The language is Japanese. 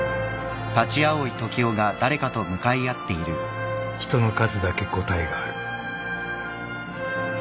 ［人の数だけ答えがある］